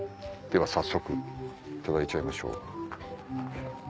では早速いただいちゃいましょう。